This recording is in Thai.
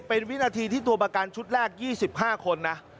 เป็นวินาทีที่ตัวประกันชุดแรก๒๕คนนะ